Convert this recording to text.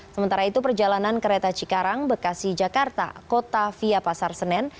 sementara itu perjalanan kereta cikarang bekasi jakarta kota via pasar senen